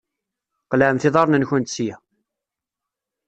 Qelɛemt iḍaṛṛen-nkent sya!